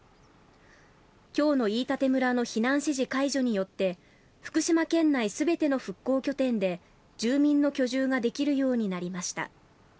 今日の飯舘村の避難指示解除によって福島県内全ての復興拠点で住民の居住ができるようになりました。